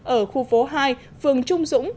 ở khu phố hai phường trung dũng